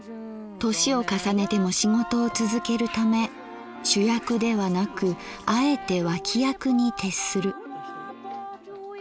年を重ねても仕事を続けるため主役ではなくあえて脇役に徹する。